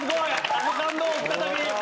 あの感動を再び。